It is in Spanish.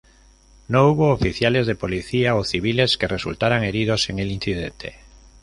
No hubo oficiales de policía o civiles que resultaran heridos en el incidente.